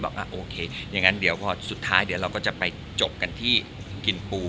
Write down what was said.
โอเคอย่างนั้นเดี๋ยวพอสุดท้ายเดี๋ยวเราก็จะไปจบกันที่กินปู